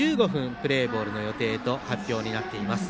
プレーボール予定と発表になっています。